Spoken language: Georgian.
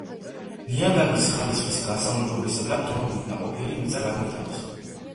ნიადაგის ხარისხის გასაუმჯობესებლად ტონობით ნაყოფიერი მიწა გადმოიტანეს.